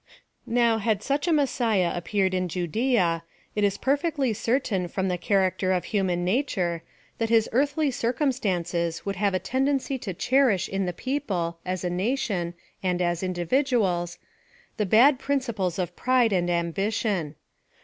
Now, had such a Messiah appeared in Judea, it is perfectly certain from the character of human na ture, that his earthly circumstances would have a tendency to cherish in the people, as a nation, and as individuals, the bad principles of pride and am bition.